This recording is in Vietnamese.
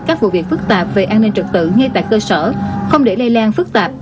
các vụ việc phức tạp về an ninh trật tự ngay tại cơ sở không để lây lan phức tạp